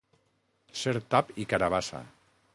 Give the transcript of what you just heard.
Ser tap i carabassa.